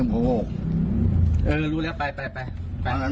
แกอยู่ตรงไหน